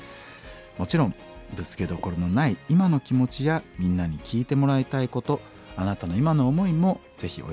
もちろんぶつけどころのない今の気持ちやみんなに聞いてもらいたいことあなたの今の思いもぜひお寄せ下さい。